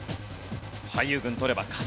俳優軍取れば勝ち。